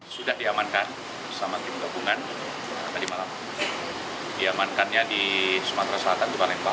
sudah diamankan bersama tim gabungan tadi malam diamankannya di sumatera selatan di palembang